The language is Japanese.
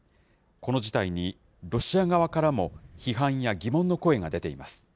この事態にロシア側からも批判や疑問の声が出ています。